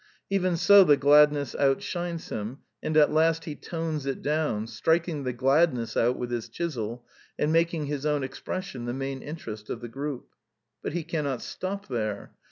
Even so the gladness outshines him; and at last he ^* tones it down,'' striking the gladness out with his chisel, and making his own expression the main interest of the group. But he cannot stop there.